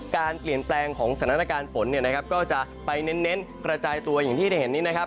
การเปลี่ยนแปลงของสถานการณ์ฝนเนี่ยนะครับก็จะไปเน้นกระจายตัวอย่างที่ได้เห็นนี้นะครับ